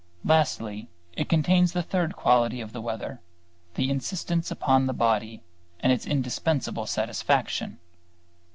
Lastly, it contains the third quality of the weather, the insistence upon the body and its indispensable satisfaction.